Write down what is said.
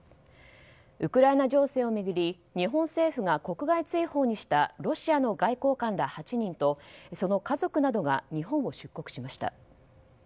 ウクライナ情勢を巡り日本政府が国外追放にしたロシアの外交官ら８人とその家族などが日本を出国しました。